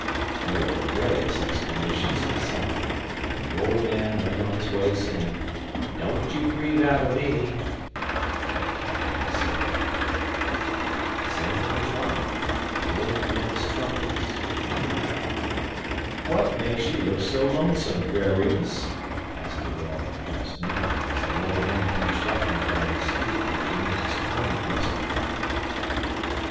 There were various exclamations of assent, and the old man went on his way singing, "Don't you Grieve Atter Me." XX. THE OLD MAN'S TROUBLES "WHAT makes you look so lonesome, Brer Remus?" asked a well dressed negro, as the old man came shuffling down the street by James's corner yesterday.